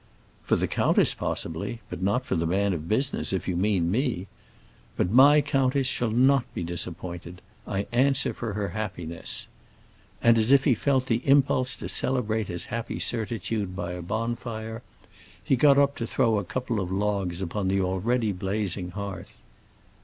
"For the countess, possibly; but not for the man of business, if you mean me! But my countess shall not be disappointed; I answer for her happiness!" And as if he felt the impulse to celebrate his happy certitude by a bonfire, he got up to throw a couple of logs upon the already blazing hearth.